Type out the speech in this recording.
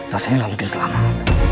rasanya gak mungkin selamat